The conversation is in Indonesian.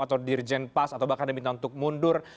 atau dirjen pas atau bahkan diminta untuk mundur